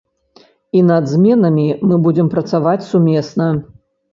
І над зменамі мы будзем працаваць сумесна.